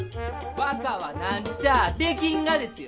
若はなんちゃあできんがですよ！